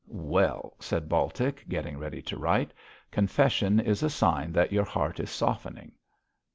'Well,' said Baltic, getting ready to write, 'confession is a sign that your heart is softening.'